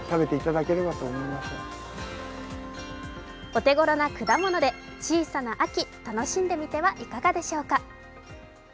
お手頃な果物で小さな秋、楽しんでみてはいかがでしょうか。